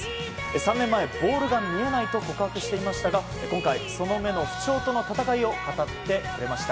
３年前、ボールが見えないと告白していましたが今回、その目の不調との戦いを語ってくれました。